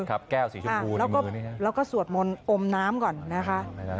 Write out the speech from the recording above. แล้วก็แล้วก็สวดมอนอมน้ำก่อนนะคะ